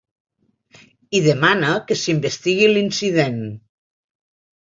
I demana que s’investigui l’incident.